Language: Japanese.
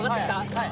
はい。